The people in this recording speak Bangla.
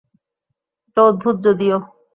এটা অদ্ভুত, যদিও।